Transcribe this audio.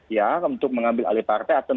ya untuk mengambil alih partai atau